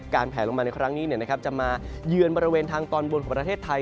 แผลลงมาในครั้งนี้จะมาเยือนบริเวณทางตอนบนของประเทศไทย